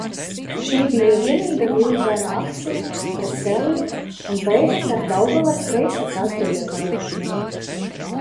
Šī bija vienīgā militārā akcija pret Sēliju un beidzās ar Daugavas kreisā krasta iekarošanu.